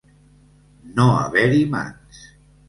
No haver-hi mans.